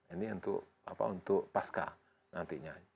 ini untuk pasca nantinya